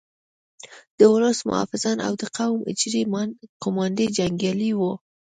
د ولس محافظان او د قوم د حجرې قوماندې جنګیالي وو.